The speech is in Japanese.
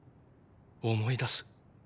思い出す。